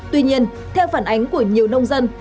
tuy nhiên theo phản ánh của nhiều nông dân